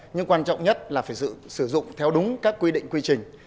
nhưng quan trọng nhất là phải sử dụng theo đúng các quy định quy trình